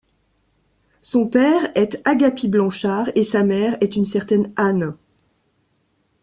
Son père est Agapit Blanchard et sa mère est une certaine Anne.